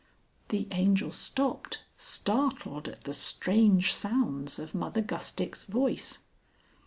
The Angel stopped, startled at the strange sounds of Mother Gustick's voice.